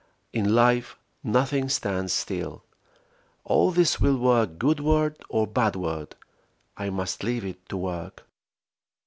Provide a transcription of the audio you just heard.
In life nothing stands still; all this will work goodward or badward. I must leave it to work.